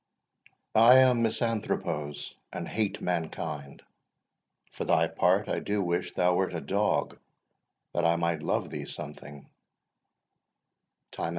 I am Misanthropos, and hate mankind; For thy part, I do wish thou wert a dog, That I might love thee something.